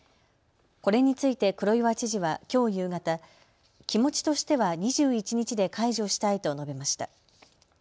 これについて黒岩知事はきょう夕方、気持ちとしては２１日で解除したいと述べました。